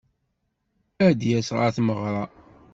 Ad d-yas ɣer tmeɣra.